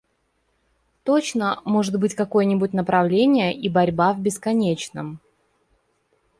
Точно может быть какое-нибудь направление и борьба в бесконечном!